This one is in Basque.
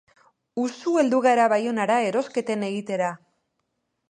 Usu heldu gara Baionara erosketen egitera.